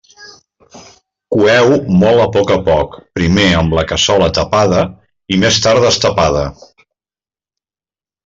Coeu-ho molt a poc a poc, primer amb la cassola tapada i més tard destapada.